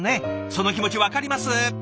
その気持ち分かります。